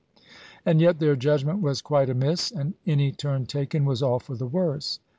And yet their judgment was quite amiss, and any turn taken was all for the worse.